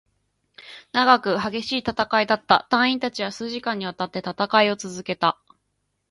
長く、激しい戦いだった。隊員達は数時間に渡って戦いを続けた。